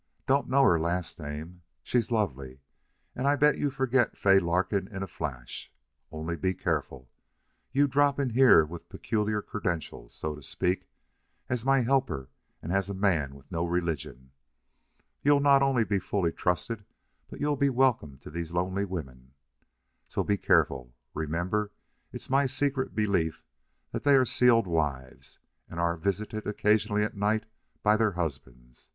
Don't know her last name. She's lovely. And I'll bet you forget Fay Larkin in a flash. Only be careful. You drop in here with rather peculiar credentials, so to speak as my helper and as a man with no religion! You'll not only be fully trusted, but you'll be welcome to these lonely women. So be careful. Remember it's my secret belief they are sealed wives and are visited occasionally at night by their husbands.